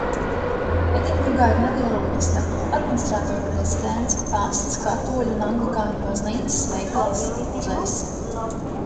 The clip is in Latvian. Edinburgā ir neliela osta, administratora rezidence, pasts, katoļu un anglikāņu baznīcas, veikals, muzejs.